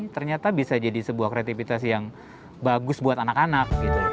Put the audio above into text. ternyata bisa jadi sebuah kreativitas yang bagus buat anak anak